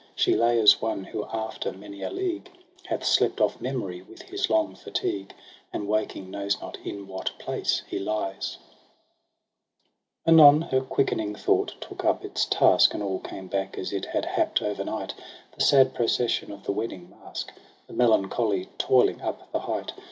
She lay as one who after many a league Hath slept oflF memory with his long fatigue. And waking knows not in what place he lies : Anon her quickening thought took up its task. And all came back as it had happ'd o'ernight ) The sad procession of the wedding mask. The melancholy toiling up the height.